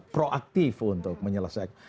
proaktif untuk menyelesaikan